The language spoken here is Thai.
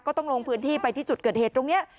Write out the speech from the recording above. ต้องลงพื้นที่ไปที่จุดเกิดเหตุตรงนี้